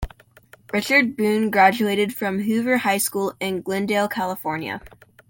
Richard Boone graduated from Hoover High School in Glendale, California.